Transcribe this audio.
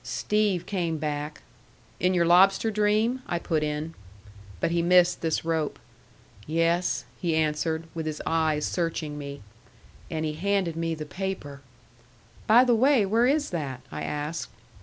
"Steve came back " "In your lobster dream," I put in. But he missed this rope. "Yes," he answered, with his eyes searching me. "And he handed me the paper " "By the way, where is that?" I asked.